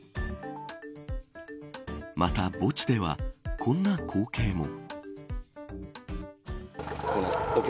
また、墓地ではこんな光景も。